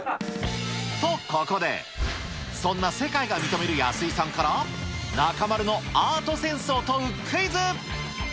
と、ここで、そんな世界が認める安居さんから、中丸のアートセンスを問うクイズ。